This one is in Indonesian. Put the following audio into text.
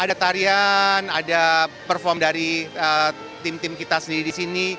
ada tarian ada perform dari tim tim kita sendiri di sini